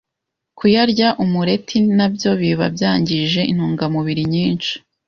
Kuyarya umureti nabyo biba byangije intungamubiri nyinshi